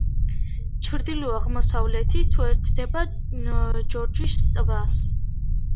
ჩრდილო-აღმოსავლეთით უერთდება ჯორჯის ტბას.